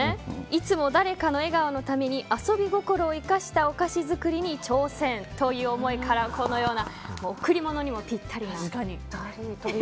いつも誰かの笑顔のために遊び心を生かしたお菓子作りに挑戦という思いからこのような贈り物にもピッタリな。